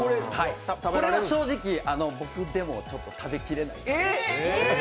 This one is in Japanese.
これは正直、僕でも食べきれない。